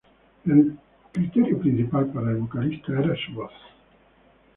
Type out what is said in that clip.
El criterio principal para el vocalista era su voz.